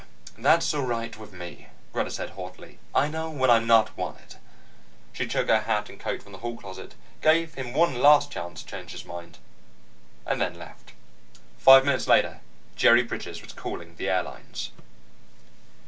"That's all right with me," Greta said haughtily. "I know when I'm not wanted." She took her hat and coat from the hall closet, gave him one last chance to change his mind, and then left. Five minutes later, Jerry Bridges was calling the airlines.